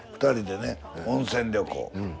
２人でね温泉旅行。